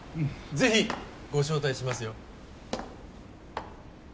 ぜひご招待しますよ。